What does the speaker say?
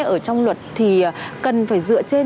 ở trong luật thì cần phải dựa trên